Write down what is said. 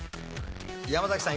山崎さん